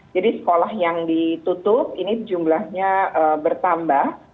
jadi sekolah yang ditutup ini jumlahnya bertambah